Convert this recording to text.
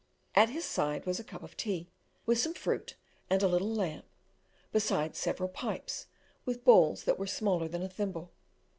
At his side was a cup of tea, with some fruit and a little lamp, besides several pipes, with bowls that were smaller than a thimble.